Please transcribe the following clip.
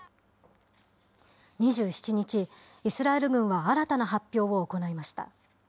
２７日、イスラエル軍は新たな発表を行いました。